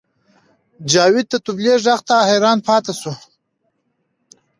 جاوید د طبلې غږ ته حیران پاتې شو